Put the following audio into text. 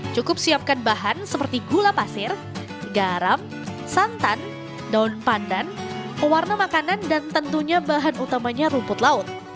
cukup siapkan bahan seperti gula pasir garam santan daun pandan pewarna makanan dan tentunya bahan utamanya rumput laut